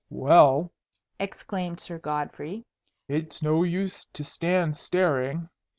"Well," exclaimed Sir Godfrey, "it's no use to stand staring.